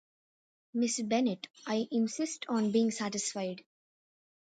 Miss Bennet, I insist on being satisfied.